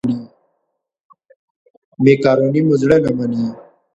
مېکاروني مو زړه نه مني.